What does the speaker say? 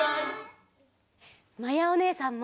まやおねえさんも。